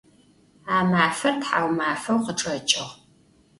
A mafer thaumafeu khıçç'eç'ığ.